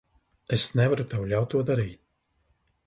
Es nevaru tev ļaut to darīt.